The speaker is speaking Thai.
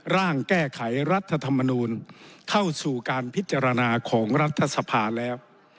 ร่างแก้ไขรัฐธรรมนูลเข้าสู่การพิจารณาของรัฐสภาแล้ว